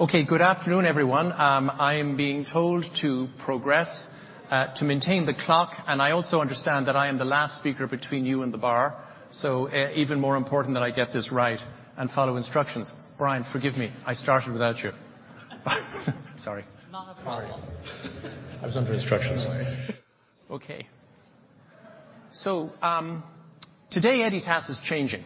Okay, good afternoon, everyone. I am being told to progress to maintain the clock, and I also understand that I am the last speaker between you and the bar. Even more important that I get this right and follow instructions. Brian, forgive me. I started without you. Sorry. Not at all. I was under instructions. Sorry. Today, Editas is changing.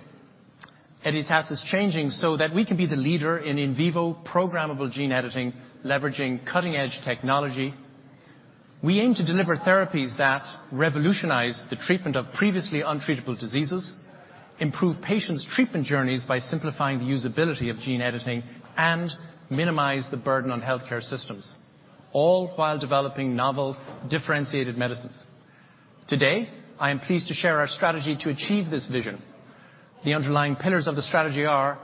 Editas is changing so that we can be the leader in in vivo programmable gene editing, leveraging cutting-edge technology. We aim to deliver therapies that revolutionize the treatment of previously untreatable diseases, improve patients' treatment journeys by simplifying the usability of gene editing, and minimize the burden on healthcare systems, all while developing novel differentiated medicines. Today, I am pleased to share our strategy to achieve this vision. The underlying pillars of the strategy are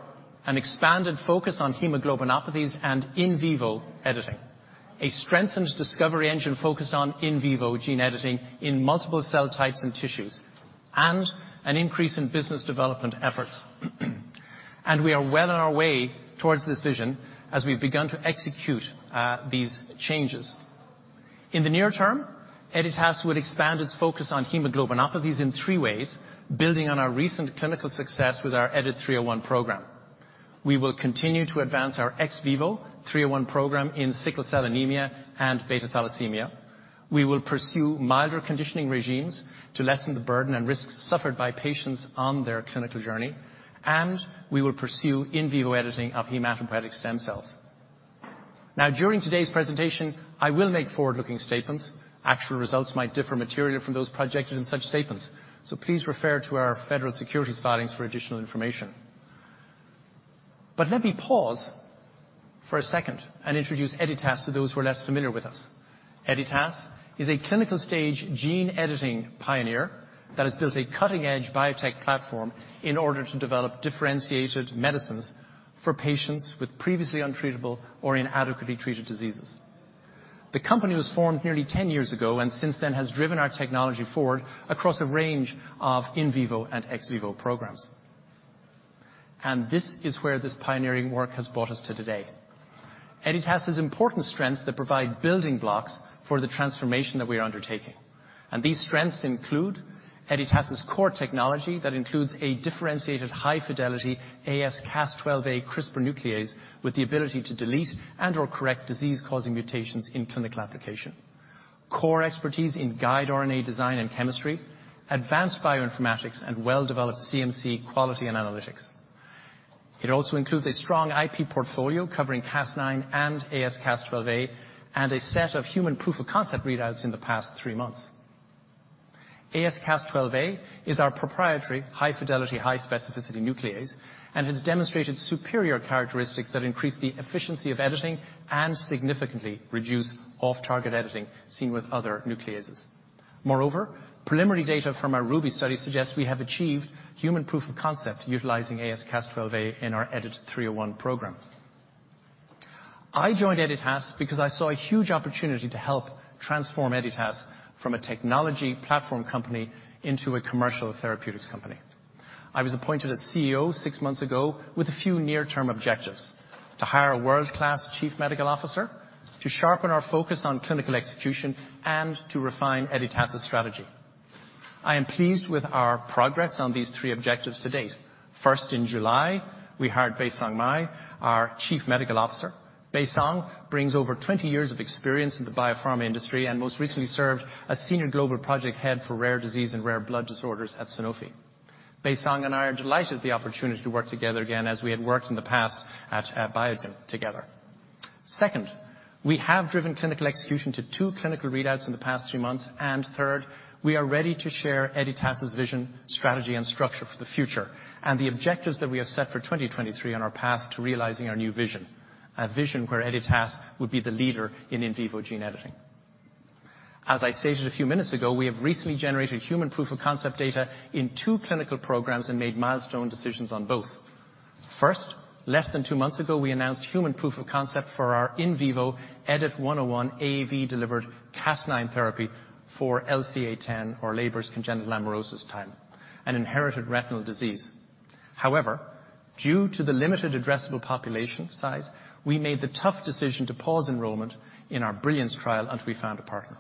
an expanded focus on hemoglobinopathies and in vivo editing. A strengthened discovery engine focused on in vivo gene editing in multiple cell types and tissues, an increase in business development efforts. We are well on our way towards this vision as we've begun to execute these changes. In the near term, Editas would expand its focus on hemoglobinopathies in three ways, building on our recent clinical success with our EDIT-301 program. We will continue to advance our ex vivo 301 program in sickle cell anemia and beta thalassemia. We will pursue milder conditioning regimes to lessen the burden and risks suffered by patients on their clinical journey. We will pursue in vivo editing of hematopoietic stem cells. Now, during today's presentation, I will make forward-looking statements. Actual results might differ materially from those projected in such statements, so please refer to our federal securities filings for additional information. Let me pause for a second and introduce Editas to those who are less familiar with us. Editas is a clinical-stage gene editing pioneer that has built a cutting-edge biotech platform in order to develop differentiated medicines for patients with previously untreatable or inadequately treated diseases. The company was formed nearly 10 years ago, and since then has driven our technology forward across a range of in vivo and ex vivo programs. This is where this pioneering work has brought us to today. Editas has important strengths that provide building blocks for the transformation that we are undertaking, and these strengths include Editas' core technology that includes a differentiated high-fidelity AsCas12a CRISPR nuclease with the ability to delete and/or correct disease-causing mutations in clinical application. Core expertise in guide RNA design and chemistry, advanced bioinformatics, and well-developed CMC quality and analytics. It also includes a strong IP portfolio covering Cas9 and AsCas12a, and a set of human proof-of-concept readouts in the past three months. AsCas12a is our proprietary high fidelity, high specificity nuclease and has demonstrated superior characteristics that increase the efficiency of editing and significantly reduce off-target editing seen with other nucleases. Moreover, preliminary data from our RUBY study suggests we have achieved human proof of concept utilizing AsCas12a in our EDIT-301 program. I joined Editas because I saw a huge opportunity to help transform Editas from a technology platform company into a commercial therapeutics company. I was appointed as CEO six months ago with a few near-term objectives: to hire a world-class Chief Medical Officer, to sharpen our focus on clinical execution, and to refine Editas' strategy. I am pleased with our progress on these three objectives to date. First, in July, we hired Baisong Mei, our Chief Medical Officer. Baisong brings over 20 years of experience in the biopharma industry and most recently served as Senior Global Project Head for Rare Disease and Rare Blood Disorders at Sanofi. Baisong and I are delighted at the opportunity to work together again as we had worked in the past at Biogen together. Second, we have driven clinical execution to two clinical readouts in the past three months. Third, we are ready to share Editas' vision, strategy, and structure for the future, and the objectives that we have set for 2023 on our path to realizing our new vision. A vision where Editas would be the leader in in vivo gene editing. As I stated a few minutes ago, we have recently generated human proof-of-concept data in two clinical programs and made milestone decisions on both. First, less than two months ago, we announced human proof of concept for our in vivo EDIT-101 AAV-delivered Cas9 therapy for LCA10, or Leber congenital amaurosis, an inherited retinal disease. Due to the limited addressable population size, we made the tough decision to pause enrollment in our BRILLIANCE trial until we found a partner.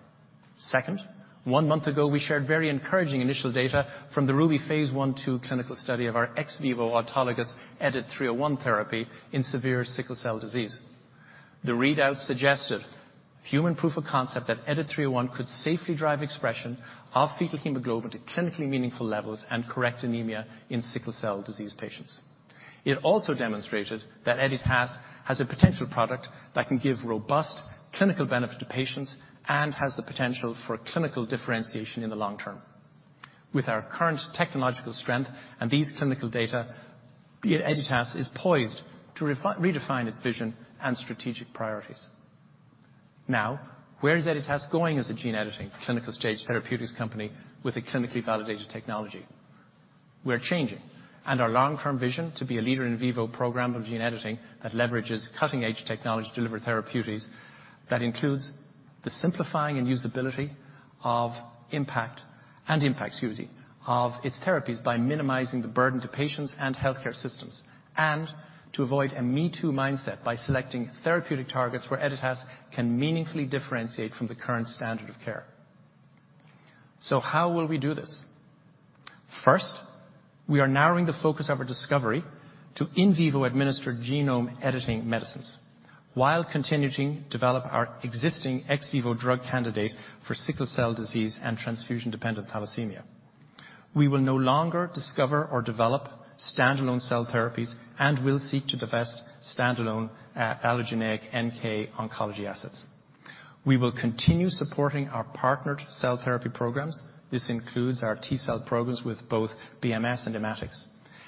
One month ago, we shared very encouraging initial data from the RUBY Phase 1/2 clinical study of our ex vivo autologous EDIT-301 therapy in severe sickle cell disease. The readout suggested human proof of concept that EDIT-301 could safely drive expression of fetal hemoglobin to clinically meaningful levels and correct anemia in sickle cell disease patients. It also demonstrated that Editas has a potential product that can give robust clinical benefit to patients and has the potential for clinical differentiation in the long term. With our current technological strength and these clinical data, Editas is poised to redefine its vision and strategic priorities. Where is Editas going as a gene editing clinical-stage therapeutics company with a clinically validated technology? We are changing. Our long-term vision to be a leader in vivo programmable gene editing that leverages cutting-edge technology to deliver therapeutics that includes the simplifying and usability and impact, excuse me, of its therapies by minimizing the burden to patients and healthcare systems, to avoid a me-too mindset by selecting therapeutic targets where Editas can meaningfully differentiate from the current standard of care. How will we do this? First, we are narrowing the focus of our discovery to in vivo administered genome editing medicines while continuing to develop our existing ex vivo drug candidate for sickle cell disease and transfusion-dependent thalassemia. We will no longer discover or develop stand-alone cell therapies and will seek to divest stand-alone allogeneic NK oncology assets. We will continue supporting our partnered cell therapy programs. This includes our T-cell programs with both BMS and Immatics.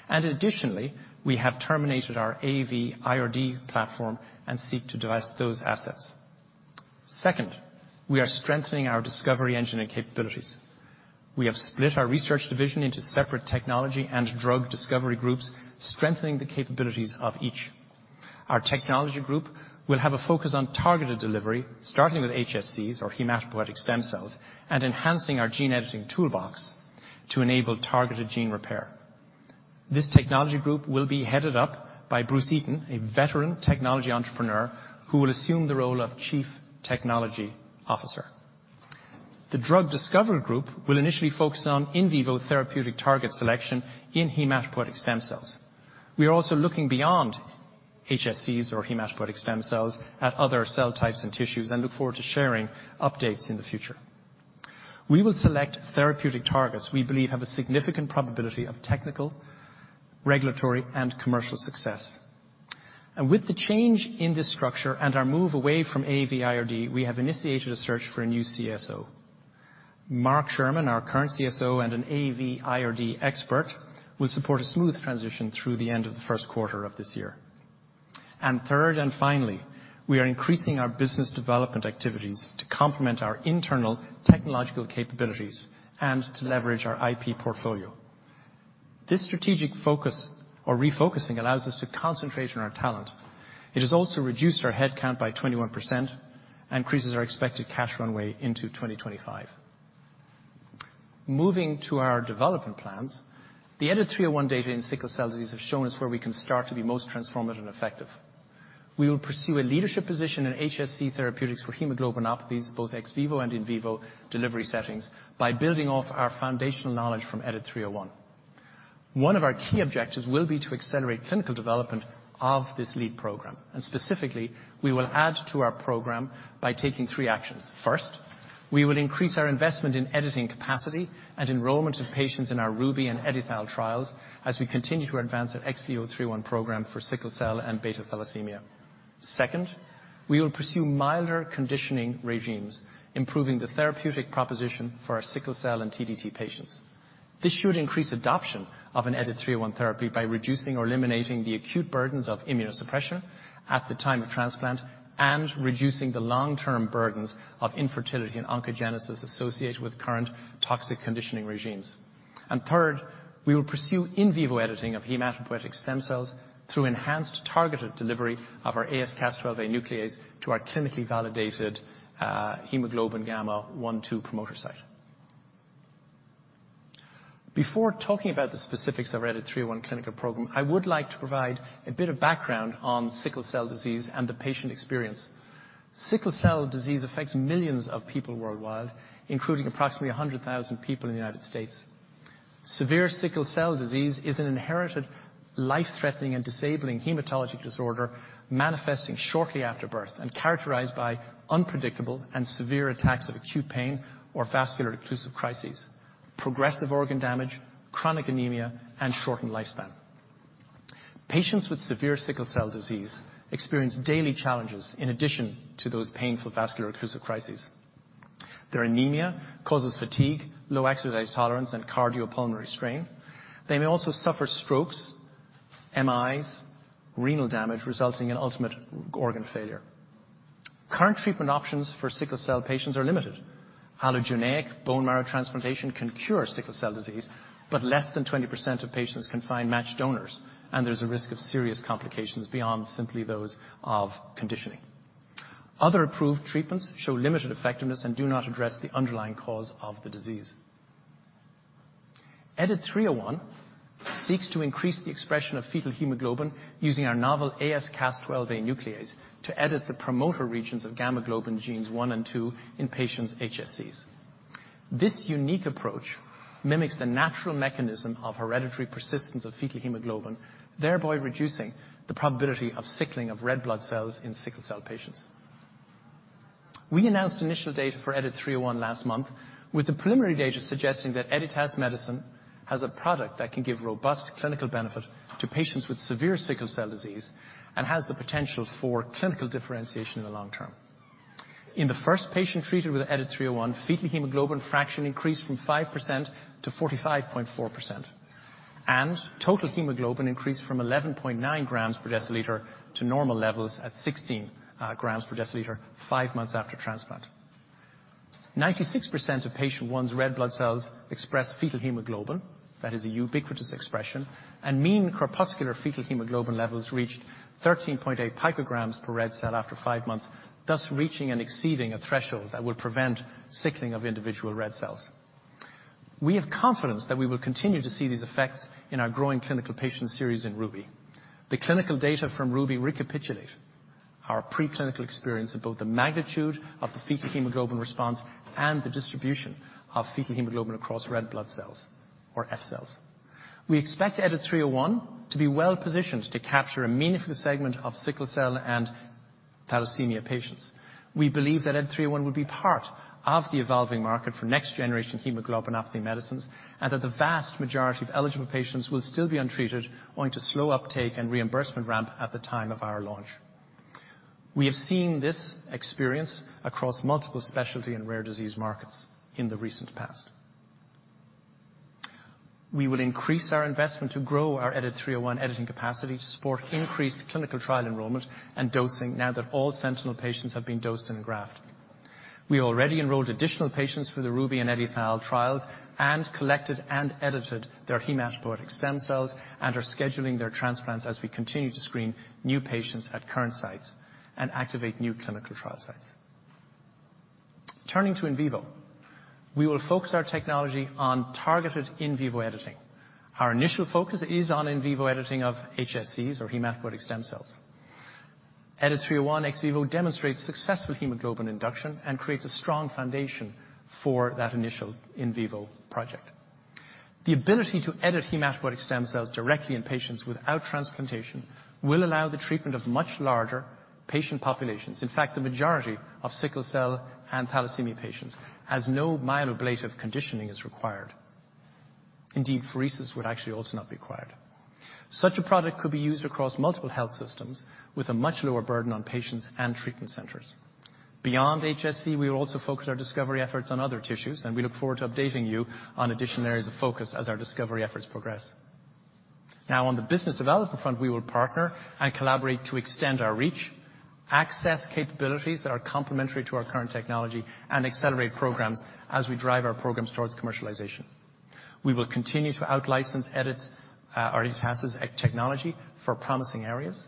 Additionally, we have terminated our AAV-IRD platform and seek to divest those assets. Second, we are strengthening our discovery engine and capabilities. We have split our research division into separate technology and drug discovery groups, strengthening the capabilities of each. Our technology group will have a focus on targeted delivery, starting with HSCs, or hematopoietic stem cells, and enhancing our gene editing toolbox to enable targeted gene repair. This technology group will be headed up by Bruce Eaton, a veteran technology entrepreneur, who will assume the role of Chief Technology Officer. The drug discovery group will initially focus on in vivo therapeutic target selection in hematopoietic stem cells. We are also looking beyond HSCs, or hematopoietic stem cells, at other cell types and tissues, and look forward to sharing updates in the future. We will select therapeutic targets we believe have a significant probability of technical, regulatory, and commercial success. With the change in this structure and our move away from AAV-IRD, we have initiated a search for a new CSO. Mark S. Shearman, our current CSO and an AAV-IRD expert, will support a smooth transition through the end of the first quarter of this year. Third and finally, we are increasing our business development activities to complement our internal technological capabilities and to leverage our IP portfolio. This strategic focus or refocusing allows us to concentrate on our talent. It has also reduced our headcount by 21% and increases our expected cash runway into 2025. Moving to our development plans, the EDIT-301 data in sickle cell disease have shown us where we can start to be most transformative and effective. We will pursue a leadership position in HSC therapeutics for hemoglobinopathies, both ex vivo and in vivo delivery settings, by building off our foundational knowledge from EDIT-301. One of our key objectives will be to accelerate clinical development of this lead program. Specifically, we will add to our program by taking three actions. First, we will increase our investment in editing capacity and enrollment of patients in our RUBY and EdiThal trials as we continue to advance our ex vivo 301 program for sickle cell and beta thalassemia. Second, we will pursue milder conditioning regimes, improving the therapeutic proposition for our sickle cell and TDT patients. This should increase adoption of an EDIT-301 therapy by reducing or eliminating the acute burdens of immunosuppression at the time of transplant and reducing the long-term burdens of infertility and oncogenesis associated with current toxic conditioning regimes. Third, we will pursue in vivo editing of hematopoietic stem cells through enhanced targeted delivery of our AsCas12a nuclease to our clinically validated hemoglobin gamma one, two promoter site. Before talking about the specifics of EDIT-301 clinical program, I would like to provide a bit of background on sickle cell disease and the patient experience. Sickle cell disease affects millions of people worldwide, including approximately 100,000 people in the United States. Severe sickle cell disease is an inherited life-threatening and disabling hematologic disorder manifesting shortly after birth and characterized by unpredictable and severe attacks of acute pain or vaso-occlusive crises, progressive organ damage, chronic anemia, and shortened lifespan. Patients with severe sickle cell disease experience daily challenges in addition to those painful vaso-occlusive crises. Their anemia causes fatigue, low exercise tolerance, and cardiopulmonary strain. They may also suffer strokes, M.I.s, renal damage, resulting in ultimate organ failure. Current treatment options for sickle cell patients are limited. Less than 20% of patients can find matched donors, and there's a risk of serious complications beyond simply those of conditioning. Other approved treatments show limited effectiveness and do not address the underlying cause of the disease. EDIT-301 seeks to increase the expression of fetal hemoglobin using our novel AsCas12a nuclease to edit the promoter regions of gamma-globin genes one and two in patients' HSCs. This unique approach mimics the natural mechanism of hereditary persistence of fetal hemoglobin, thereby reducing the probability of sickling of red blood cells in sickle cell patients. We announced initial data for EDIT-301 last month with the preliminary data suggesting that Editas Medicine has a product that can give robust clinical benefit to patients with severe sickle cell disease and has the potential for clinical differentiation in the long term. In the first patient treated with EDIT-301, fetal hemoglobin fraction increased from 5%-45.4%, and total hemoglobin increased from 11.9 grams per deciliter to normal levels at 16 grams per deciliter five months after transplant. 96% of patient one's red blood cells expressed fetal hemoglobin. That is a ubiquitous expression. Mean corpuscular fetal hemoglobin levels reached 13.8 picograms per red cell after five months, thus reaching and exceeding a threshold that would prevent sickling of individual red cells. We have confidence that we will continue to see these effects in our growing clinical patient series in RUBY. The clinical data from RUBY recapitulate our preclinical experience of both the magnitude of the fetal hemoglobin response and the distribution of fetal hemoglobin across red blood cells or F-cells. We expect EDIT-301 to be well-positioned to capture a meaningful segment of sickle cell and thalassemia patients. We believe that EDIT-301 will be part of the evolving market for next generation hemoglobinopathy medicines, and that the vast majority of eligible patients will still be untreated owing to slow uptake and reimbursement ramp at the time of our launch. We have seen this experience across multiple specialty and rare disease markets in the recent past. We will increase our investment to grow our EDIT-301 editing capacity to support increased clinical trial enrollment and dosing now that all Sentinel patients have been dosed and graphed. We already enrolled additional patients for the RUBY and EdiThal trials and collected and edited their hematopoietic stem cells and are scheduling their transplants as we continue to screen new patients at current sites and activate new clinical trial sites. Turning to in vivo, we will focus our technology on targeted in vivo editing. Our initial focus is on in vivo editing of HSCs or hematopoietic stem cells. EDIT-301 ex vivo demonstrates successful hemoglobin induction and creates a strong foundation for that initial in vivo project. The ability to edit hematopoietic stem cells directly in patients without transplantation will allow the treatment of much larger patient populations. In fact, the majority of sickle cell and thalassemia patients as no myeloablative conditioning is required. Indeed, pheresis would actually also not be required. Such a product could be used across multiple health systems with a much lower burden on patients and treatment centers. Beyond HSC, we will also focus our discovery efforts on other tissues, and we look forward to updating you on additional areas of focus as our discovery efforts progress. On the business development front, we will partner and collaborate to extend our reach, access capabilities that are complementary to our current technology, and accelerate programs as we drive our programs towards commercialization. We will continue to out-license Editas' technology for promising areas.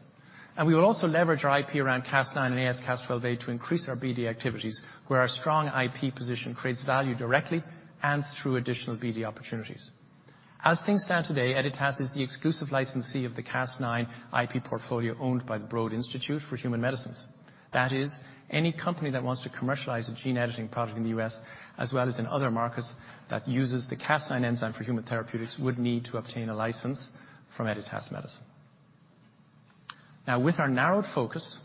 We will also leverage our IP around Cas9 and AsCas12a to increase our BD activities where our strong IP position creates value directly and through additional BD opportunities. As things stand today, Editas is the exclusive licensee of the Cas9 IP portfolio owned by the Broad Institute for Human Medicines. That is, any company that wants to commercialize a gene editing product in the U.S. as well as in other markets that uses the Cas9 enzyme for human therapeutics would need to obtain a license from Editas Medicine. With our narrowed focus,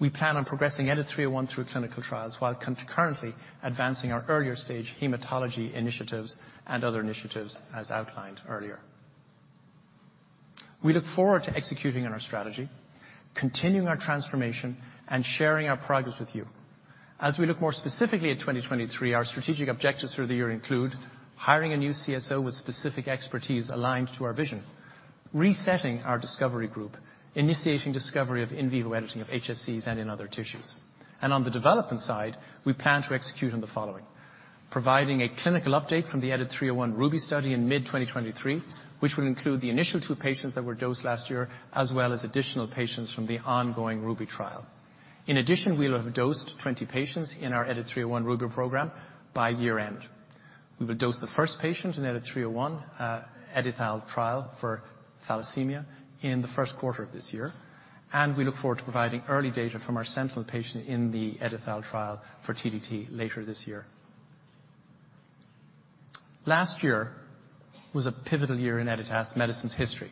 we plan on progressing EDIT-301 through clinical trials while concurrently advancing our earlier stage hematology initiatives and other initiatives as outlined earlier. We look forward to executing on our strategy, continuing our transformation, and sharing our progress with you. We look more specifically at 2023, our strategic objectives for the year include hiring a new CSO with specific expertise aligned to our vision, resetting our discovery group, initiating discovery of in vivo editing of HSCs and in other tissues. On the development side, we plan to execute on the following: providing a clinical update from the EDIT-301 RUBY study in mid-2023, which will include the initial two patients that were dosed last year, as well as additional patients from the ongoing RUBY trial. In addition, we'll have dosed 20 patients in our EDIT-301 RUBY program by year-end. We will dose the 1st patient in EDIT-301 EdiThal trial for thalassemia in the 1st quarter of this year, and we look forward to providing early data from our Sentinel patient in the EdiThal trial for TDT later this year. Last year was a pivotal year in Editas Medicine's history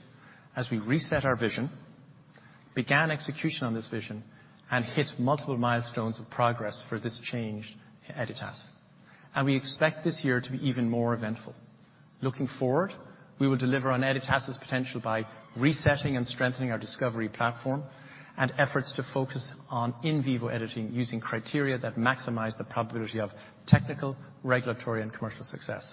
as we reset our vision, began execution on this vision, and hit multiple milestones of progress for this change in Editas. We expect this year to be even more eventful. Looking forward, we will deliver on Editas' potential by resetting and strengthening our discovery platform and efforts to focus on in vivo editing using criteria that maximize the probability of technical, regulatory, and commercial success.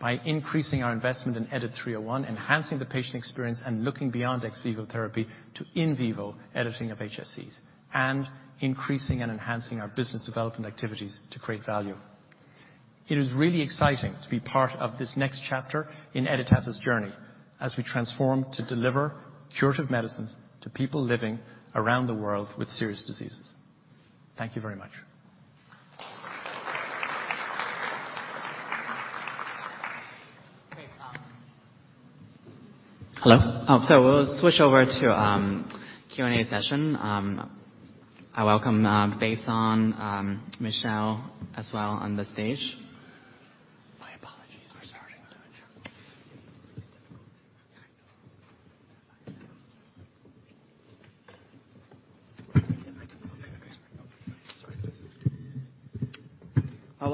By increasing our investment in EDIT-301, enhancing the patient experience, and looking beyond ex vivo therapy to in vivo editing of HSCs, and increasing and enhancing our business development activities to create value. It is really exciting to be part of this next chapter in Editas' journey as we transform to deliver curative medicines to people living around the world with serious diseases. Thank you very much. Okay. Hello. We'll switch over to Q&A session. I welcome Baisong, Michelle as well on the stage.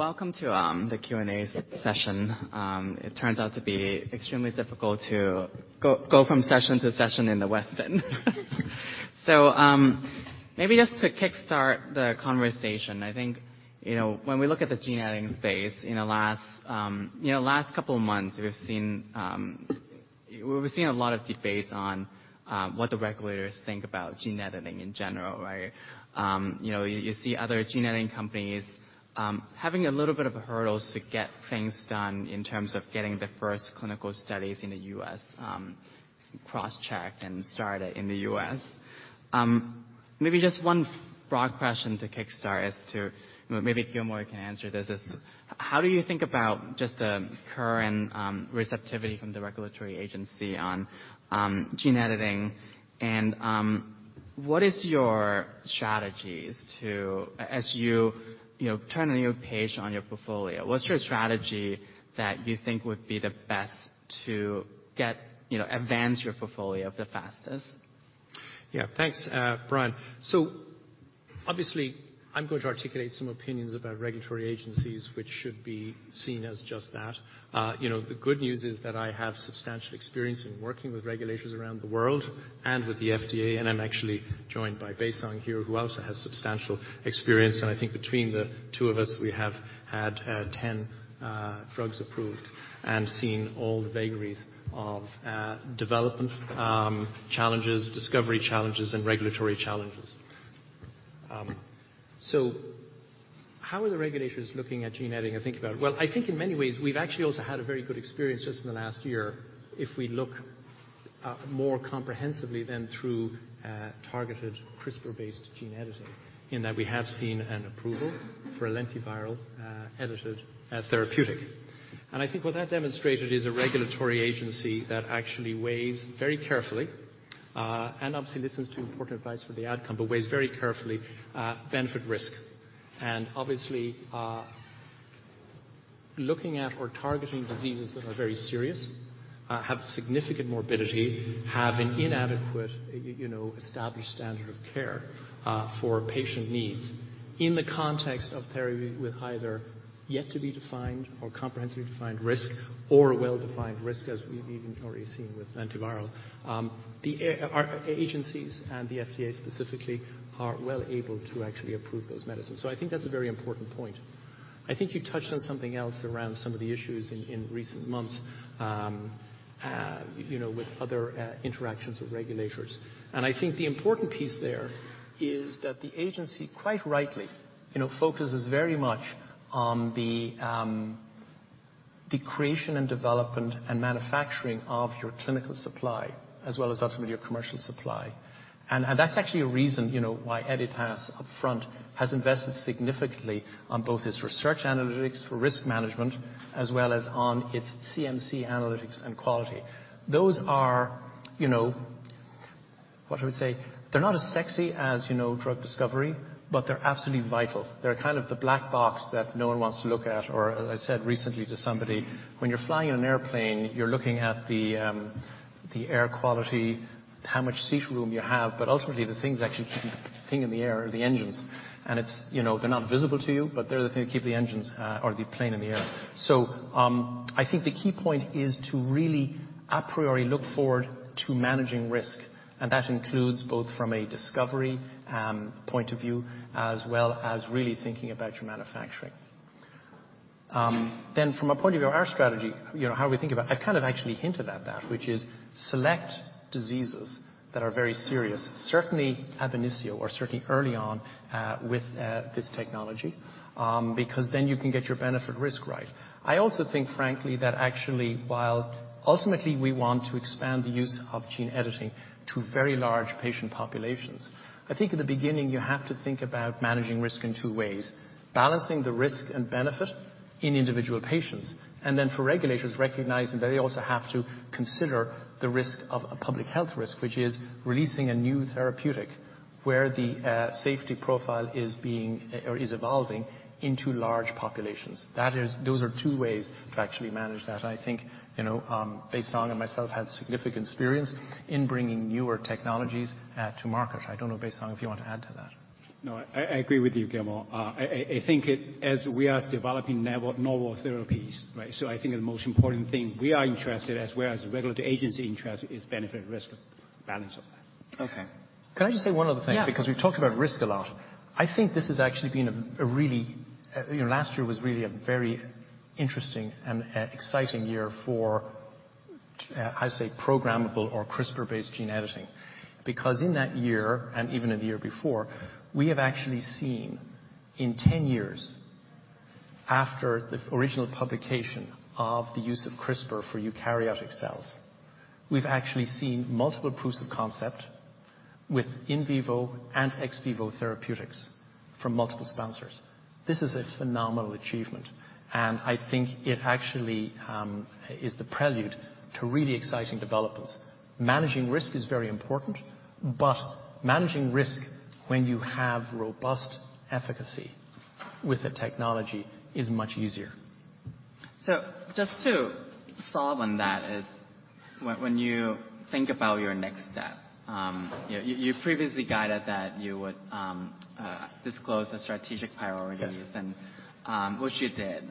Welcome to the Q&A session. It turns out to be extremely difficult to go from session to session in the Westin. Maybe just to kickstart the conversation, I think, you know, when we look at the gene editing space in the last, you know, last couple of months, we've seen, we're seeing a lot of debates on what the regulators think about gene editing in general, right? You know, you see other gene editing companies having a little bit of a hurdles to get things done in terms of getting the first clinical studies in the U.S., cross-checked and started in the U.S. Maybe just one broad question to kickstart is to, maybe Gilmore can answer this. Is how do you think about just the current receptivity from the regulatory agency on gene editing? What is your strategies as you know, turn a new page on your portfolio, what's your strategy that you think would be the best to get, you know, advance your portfolio the fastest? Yeah. Thanks, Brian. Obviously I'm going to articulate some opinions about regulatory agencies, which should be seen as just that. You know, the good news is that I have substantial experience in working with regulators around the world and with the FDA, and I'm actually joined by Baisong here, who also has substantial experience. I think between the two of us, we have had 10 drugs approved and seen all the vagaries of development challenges, discovery challenges, and regulatory challenges. How are the regulators looking at gene editing? Well, I think in many ways we've actually also had a very good experience just in the last year if we look more comprehensively than through targeted CRISPR-based gene editing, in that we have seen an approval for a lentiviral edited therapeutic. I think what that demonstrated is a regulatory agency that actually weighs very carefully, and obviously listens to important advice for the outcome, but weighs very carefully, benefit risk. Obviously, looking at or targeting diseases that are very serious, have significant morbidity, have an inadequate, you know, established standard of care, for patient needs in the context of therapy with either yet to be defined or comprehensively defined risk or a well-defined risk, as we've even already seen with lentiviral. Our agencies and the FDA specifically are well able to actually approve those medicines. I think that's a very important point. I think you touched on something else around some of the issues in recent months, you know, with other interactions with regulators. I think the important piece there is that the agency, quite rightly, you know, focuses very much on the creation and development and manufacturing of your clinical supply as well as ultimately your commercial supply. That's actually a reason, you know, why Editas up front has invested significantly on both its research analytics for risk management as well as on its CMC analytics and quality. Those are, you know, what I would say, they're not as sexy as, you know, drug discovery, but they're absolutely vital. They're kind of the black box that no one wants to look at. As I said recently to somebody, when you're flying in an airplane, you're looking at the air quality, how much seat room you have. Ultimately, the things actually keeping the thing in the air are the engines, and it's, you know, they're not visible to you, but they're the thing to keep the engines, or the plane in the air. I think the key point is to really a priori look forward to managing risk, and that includes both from a discovery point of view as well as really thinking about your manufacturing. From a point of view, our strategy, you know, how we think about... I kind of actually hinted at that, which is select diseases that are very serious, certainly ab initio or certainly early on, with this technology, because then you can get your benefit risk right. I also think, frankly, that actually, while ultimately we want to expand the use of gene editing to very large patient populations, I think in the beginning you have to think about managing risk in two ways. Balancing the risk and benefit in individual patients, for regulators, recognizing they also have to consider the risk of a public health risk, which is releasing a new therapeutic where the safety profile is being or is evolving into large populations. Those are two ways to actually manage that. I think, you know, Baisong and myself had significant experience in bringing newer technologies to market. I don't know, Baisong, if you want to add to that. No, I agree with you, Gilmore. I think as we are developing novel therapies, right? I think the most important thing we are interested as well as the regulatory agency interest is benefit risk balance of that. Okay. Can I just say one other thing? Yeah. We've talked about risk a lot. I think this has actually been a really, you know, last year was really a very interesting and exciting year for, how to say, programmable or CRISPR-based gene editing. In that year, and even in the year before, we have actually seen in 10 years after the original publication of the use of CRISPR for eukaryotic cells, we've actually seen multiple proofs of concept with in vivo and ex vivo therapeutics from multiple sponsors. This is a phenomenal achievement, and I think it actually is the prelude to really exciting developments. Managing risk is very important, managing risk when you have robust efficacy with the technology is much easier. Just to follow on that is when you think about your next step, you previously guided that you would disclose the strategic priorities. Yes. which you did,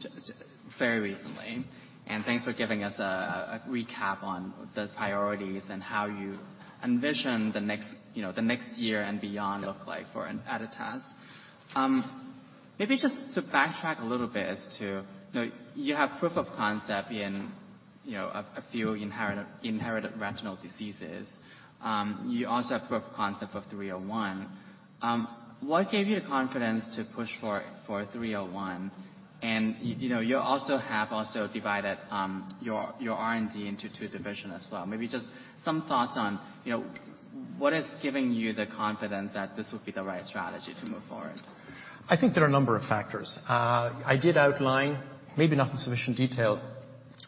just very recently. Thanks for giving us a recap on the priorities and how you envision the next, you know, the next year and beyond look like for Editas. Maybe just to backtrack a little bit as to, you know, you have proof of concept in, you know, a few inherited retinal diseases. You also have proof of concept of 301. What gave you the confidence to push for 301? You know, you also have also divided your R&D into two division as well. Maybe just some thoughts on, you know, what is giving you the confidence that this will be the right strategy to move forward? I think there are a number of factors. I did outline, maybe not in sufficient detail,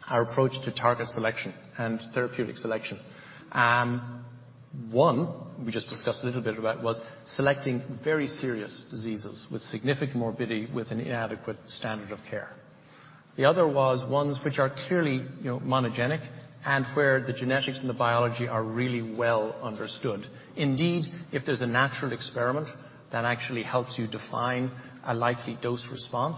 our approach to target selection and therapeutic selection. One, we just discussed a little bit about, was selecting very serious diseases with significant morbidity, with an inadequate standard of care. The other was ones which are clearly, you know, monogenic, and where the genetics and the biology are really well understood. Indeed, if there's a natural experiment that actually helps you define a likely dose response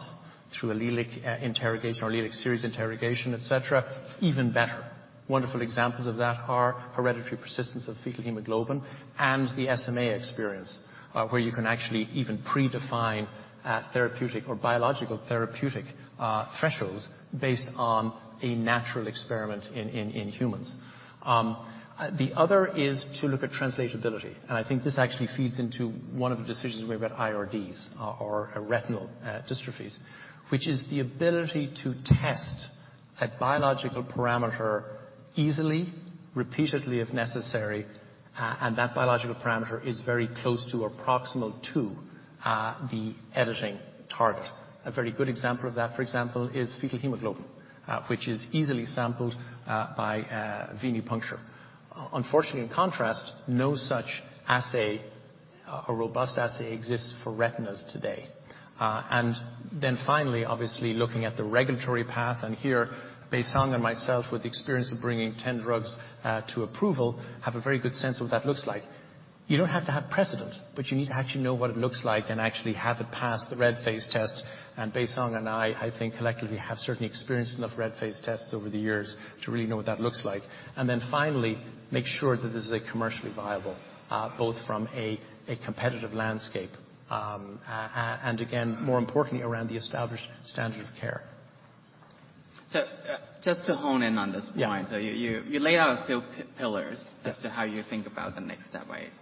through allelic interrogation or allelic series interrogation, et cetera, even better. Wonderful examples of that are hereditary persistence of fetal hemoglobin and the SMA experience, where you can actually even predefine a therapeutic or biological therapeutic thresholds based on a natural experiment in, in humans. The other is to look at translatability, and I think this actually feeds into one of the decisions we made about IRDs or retinal dystrophies, which is the ability to test a biological parameter easily, repeatedly if necessary, and that biological parameter is very close to or proximal to the editing target. A very good example of that, for example, is fetal hemoglobin, which is easily sampled by venipuncture. Unfortunately, in contrast, no such assay or robust assay exists for retinas today. And then finally, obviously, looking at the regulatory path, and here Baisong Mei and myself, with the experience of bringing 10 drugs to approval, have a very good sense of what that looks like. You don't have to have precedent, but you need to actually know what it looks like and actually have it pass the Red Phase test. and I think collectively have certainly experienced enough Red Phase tests over the years to really know what that looks like. Finally, make sure that this is commercially viable, both from a competitive landscape, and again, more importantly, around the established standard of care. Just to hone in on this point. Yeah. You laid out a few pillars. Yeah. -as to how you think about the next step, right?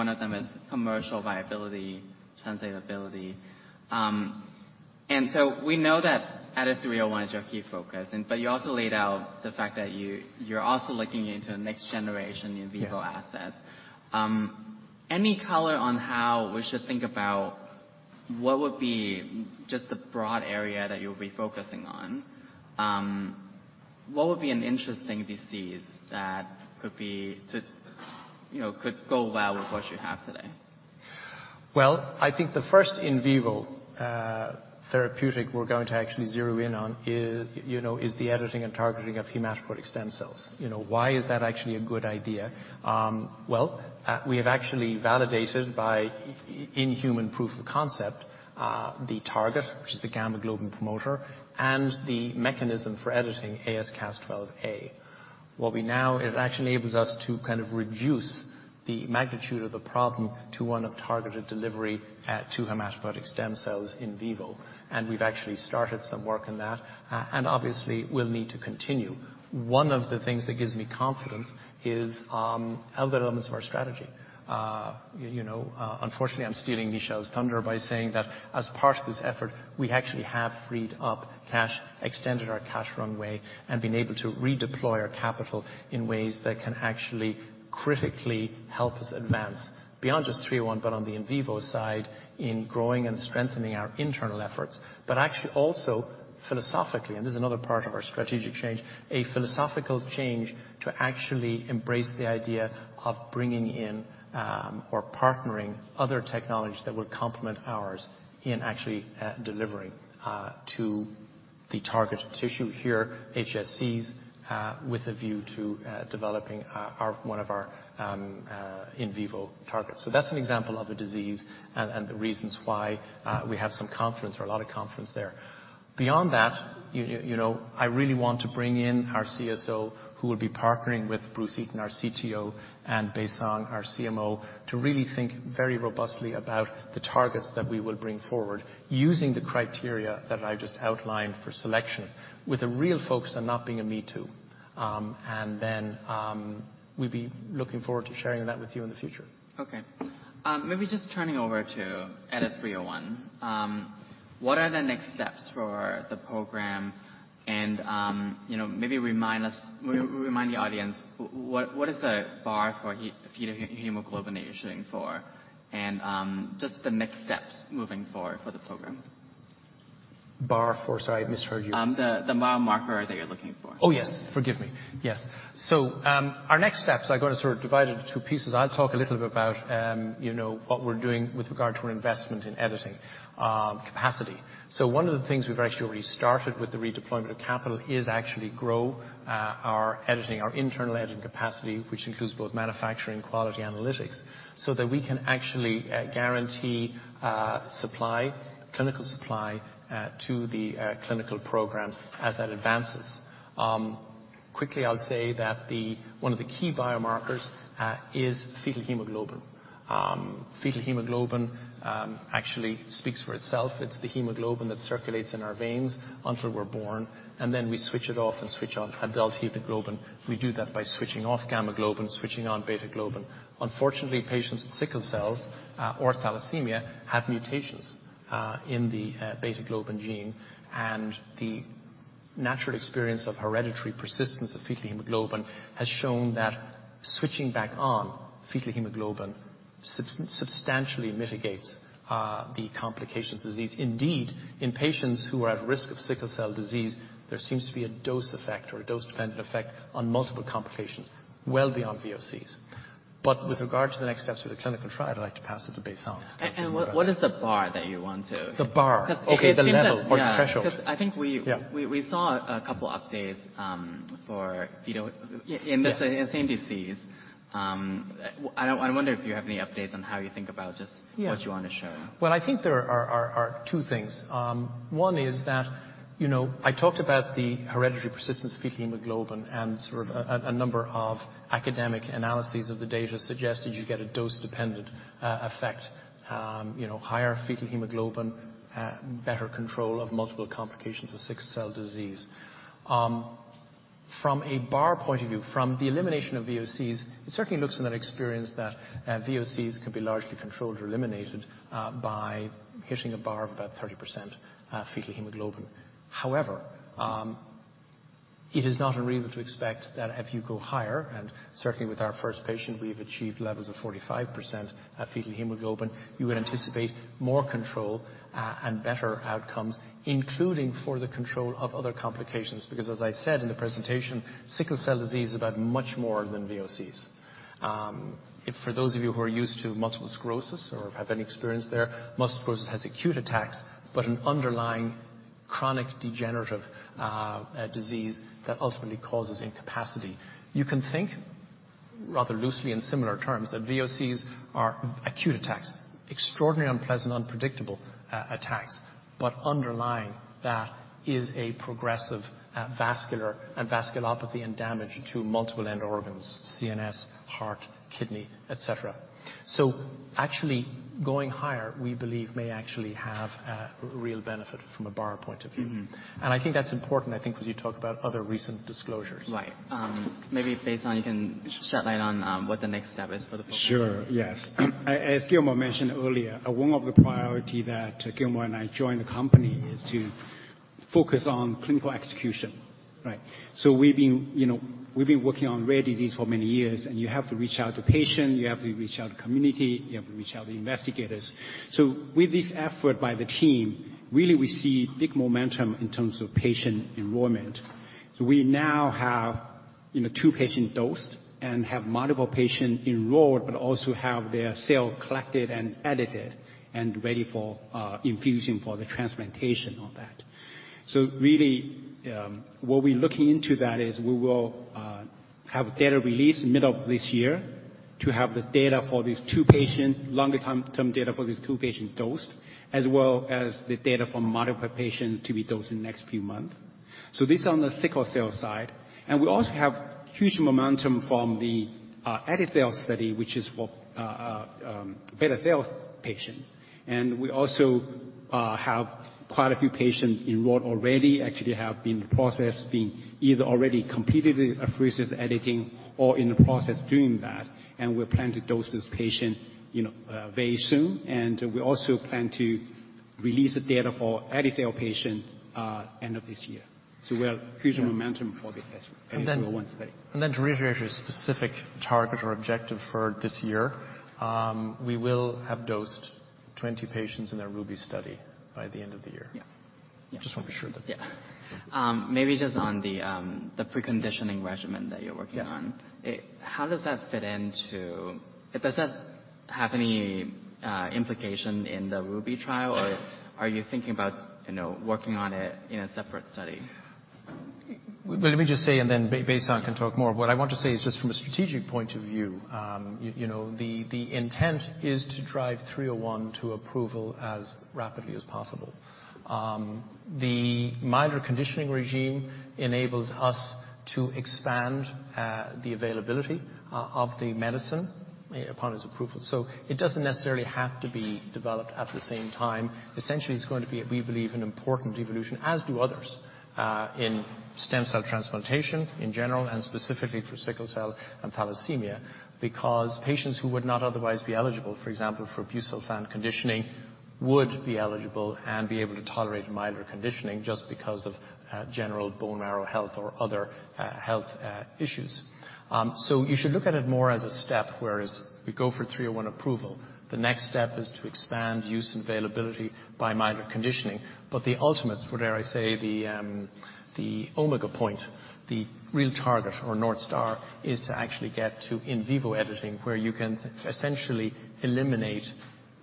One of them is commercial viability, translatability. We know that EDIT-301 is your key focus, and but you're also looking into a next generation in vivo assets. Yes. Any color on how we should think about what would be just the broad area that you'll be focusing on? What would be an interesting disease that, you know, could go well with what you have today? Well, I think the first in vivo therapeutic we're going to actually zero in on is, you know, is the editing and targeting of hematopoietic stem cells. You know, why is that actually a good idea? Well, we have actually validated by in human proof of concept the target, which is the gamma-globin promoter, and the mechanism for editing AsCas12a. It actually enables us to kind of reduce the magnitude of the problem to one of targeted delivery to hematopoietic stem cells in vivo. We've actually started some work in that, and obviously will need to continue. One of the things that gives me confidence is other elements of our strategy. You know, I'm stealing Michel's thunder by saying that as part of this effort, we actually have freed up cash, extended our cash runway, and been able to redeploy our capital in ways that can actually critically help us advance beyond just EDIT-301, but on the in vivo side in growing and strengthening our internal efforts. Actually also philosophically, and this is another part of our strategic change, a philosophical change to actually embrace the idea of bringing in or partnering other technologies that will complement ours in actually delivering to the target tissue. Here, HSCs, with a view to developing our, one of our, in vivo targets. So that's an example of a disease and the reasons why we have some confidence or a lot of confidence there. Beyond that, you know, I really want to bring in our CSO, who will be partnering with Bruce Eaton, our CTO, and Baisong, our CMO, to really think very robustly about the targets that we will bring forward using the criteria that I just outlined for selection with a real focus on not being a me too. Then, we'll be looking forward to sharing that with you in the future. Okay. Maybe just turning over to EDIT-301, what are the next steps for the program? You know, maybe remind us, remind the audience what is the bar for fetal hemoglobin that you're shooting for? Just the next steps moving forward for the program. Bar for, sorry, I misheard you. The mile marker that you're looking for. Oh, yes. Forgive me. Yes. Our next steps, I'm gonna sort of divide it into two pieces. I'll talk a little bit about, you know, what we're doing with regard to our investment in editing capacity. One of the things we've actually already started with the redeployment of capital is actually grow our editing, our internal editing capacity, which includes both manufacturing quality analytics, so that we can actually guarantee supply, clinical supply, to the clinical program as that advances. Quickly, I'll say that the one of the key biomarkers is fetal hemoglobin. Fetal hemoglobin actually speaks for itself. It's the hemoglobin that circulates in our veins until we're born, and then we switch it off and switch on adult hemoglobin. We do that by switching off gamma-globin, switching on beta-globin. Unfortunately, patients with sickle cells, or thalassemia, have mutations in the beta-globin gene, and the natural experience of hereditary persistence of fetal hemoglobin has shown that switching back on fetal hemoglobin substantially mitigates the complications disease. Indeed, in patients who are at risk of sickle cell disease, there seems to be a dose effect or a dose-dependent effect on multiple complications well beyond VOCs. With regard to the next steps for the clinical trial, I'd like to pass it to Baisong. What is the bar that you want to- The bar. 'Cause it seems. Okay, the level or the threshold. Yeah. 'Cause I think. Yeah. We saw a couple updates for fetal. Yes. In the same disease. I wonder if you have any updates on how you think about just. Yeah. what you wanna show. Well, I think there are two things. One is that, you know, I talked about the hereditary persistence fetal hemoglobin and sort of a number of academic analyses of the data suggested you get a dose-dependent effect. You know, higher fetal hemoglobin, better control of multiple complications of sickle cell disease. From a bar point of view, from the elimination of VOCs, it certainly looks in that experience that VOCs can be largely controlled or eliminated by hitting a bar of about 30% fetal hemoglobin. However, it is not unreasonable to expect that if you go higher, and certainly with our first patient we've achieved levels of 45% fetal hemoglobin, you would anticipate more control and better outcomes, including for the control of other complications. As I said in the presentation, sickle cell disease is about much more than VOCs. If for those of you who are used to multiple sclerosis or have any experience there, multiple sclerosis has acute attacks, but an underlying chronic degenerative disease that ultimately causes incapacity. You can think rather loosely in similar terms, that VOCs are acute attacks, extraordinary, unpleasant, unpredictable attacks, but underlying that is a progressive vascular and vasculopathy and damage to multiple end organs: CNS, heart, kidney, et cetera. Actually, going higher, we believe may actually have a real benefit from a bar point of view. I think that's important, I think, as you talk about other recent disclosures. Right. Maybe Baisong you can shed light on what the next step is for the program. Sure, yes. As Gilmore mentioned earlier, one of the priority that Gilmore and I joined the company is to focus on clinical execution, right? We've been, you know, working on ready these for many years, and you have to reach out to patient, you have to reach out to community, you have to reach out to investigators. With this effort by the team, really we see big momentum in terms of patient enrollment. We now have, you know, two patient dosed and have multiple patient enrolled, but also have their cell collected and edited and ready for infusion for the transplantation on that. Really, what we're looking into that is we will have data release middle of this year to have the data for these two patient, longer time term data for these two patients dosed, as well as the data for multiple patients to be dosed in the next few months. This on the sickle cell side. We also have huge momentum from the EdiThal study, which is for beta cells patients. We also have quite a few patients enrolled already, actually have been processed, been either already completed a pheresis editing or in the process doing that, and we plan to dose those patients very soon. We also plan to release the data for EdiThal patients end of this year. We have huge momentum for the study. To reiterate your specific target or objective for this year, we will have dosed 20 patients in the RUBY study by the end of the year. Yeah. Yeah. Just want to be sure. Yeah. Maybe just on the preconditioning regimen that you're working on. Yeah. Does that have any implication in the RUBY trial, or are you thinking about, you know, working on it in a separate study? Let me just say, and then Baisong can talk more. What I want to say is just from a strategic point of view, you know, the intent is to drive 301 to approval as rapidly as possible. The milder conditioning regime enables us to expand the availability of the medicine upon its approval. It doesn't necessarily have to be developed at the same time. Essentially, it's going to be, we believe, an important evolution, as do others, in stem cell transplantation in general, and specifically for sickle cell and thalassemia, because patients who would not otherwise be eligible, for example, for busulfan conditioning, would be eligible and be able to tolerate milder conditioning just because of general bone marrow health or other health issues. You should look at it more as a step, whereas we go for EDIT-301 approval. The next step is to expand use and availability by milder conditioning. The ultimate, for dare I say, the omega point, the real target or North Star, is to actually get to in vivo editing, where you can essentially eliminate,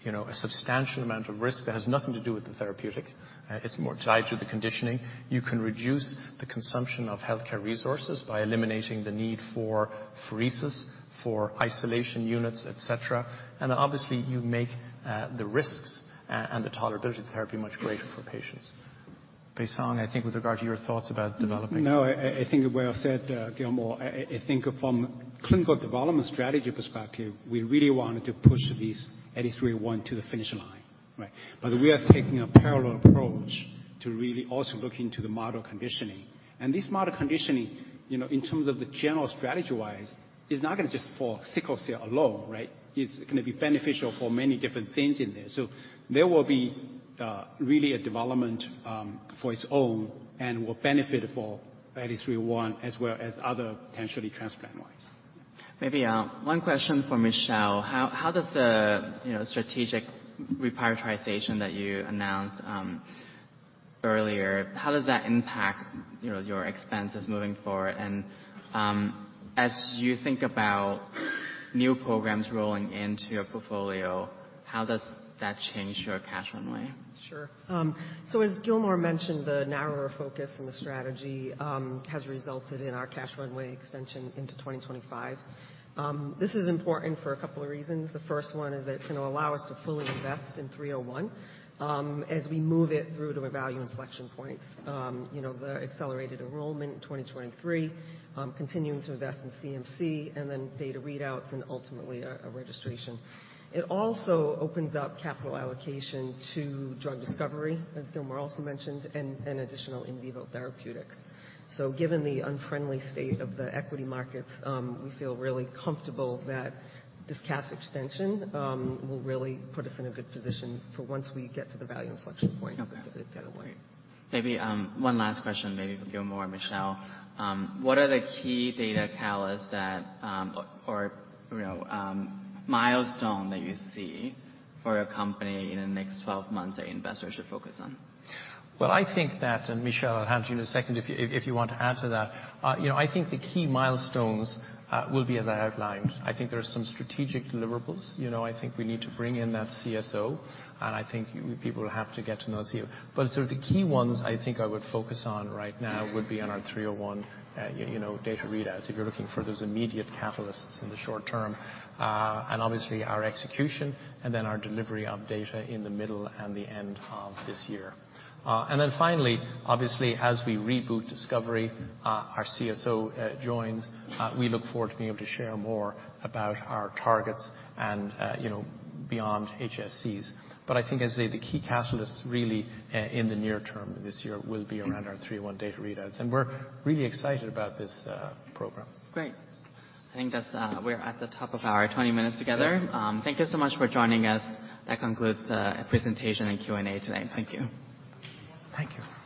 you know, a substantial amount of risk that has nothing to do with the therapeutic. It's more tied to the conditioning. You can reduce the consumption of healthcare resources by eliminating the need for pheresis, for isolation units, et cetera. Obviously, you make the risks and the tolerability therapy much greater for patients. Baisong, I think with regard to your thoughts about developing-. No, I think well said, Gilmore. I think from clinical development strategy perspective, we really wanted to push these EDIT-301 to the finish line, right? We are taking a parallel approach to really also look into the model conditioning. This model conditioning, you know, in terms of the general strategy-wise, is not gonna just for sickle cell alone, right? It's gonna be beneficial for many different things in there. There will be really a development for its own, and will benefit for EDIT-301 as well as other potentially transplant-wise. Maybe one question for Michelle. How does the, you know, strategic reprioritization that you announced earlier, how does that impact, you know, your expenses moving forward? As you think about new programs rolling into your portfolio, how does that change your cash runway? Sure. As Gilmore mentioned, the narrower focus and the strategy has resulted in our cash runway extension into 2025. This is important for a couple of reasons. The first one is that it's gonna allow us to fully invest in 301, as we move it through to a value inflection points. You know, the accelerated enrollment in 2023, continuing to invest in CMC, and then data readouts and ultimately a registration. It also opens up capital allocation to drug discovery, as Gilmore also mentioned, and additional in vivo therapeutics. Given the unfriendly state of the equity markets, we feel really comfortable that this cash extension will really put us in a good position for once we get to the value inflection points. Okay. To pivot that away. Maybe, one last question, maybe for Gilmore or Michelle. What are the key data catalysts that... you know, milestone that you see for your company in the next 12 months that investors should focus on? Well, I think that. Michelle, I'll hand you in a second if you want to add to that. You know, I think the key milestones will be as I outlined. I think there are some strategic deliverables. You know, I think we need to bring in that CSO. I think you people have to get to know CEO. Sort of the key ones I think I would focus on right now would be on our 301, you know, data readouts, if you're looking for those immediate catalysts in the short term. Obviously, our execution, then our delivery of data in the middle and the end of this year. Then finally, obviously, as we reboot discovery, our CSO joins, we look forward to being able to share more about our targets and, you know, beyond HSCs. I think, as I say, the key catalysts really in the near term this year will be around our 301 data readouts. We're really excited about this program. Great. I think that's, we're at the top of our 20 minutes together. Yes. Thank you so much for joining us. That concludes our presentation and Q&A today. Thank you. Thank you. Thank you.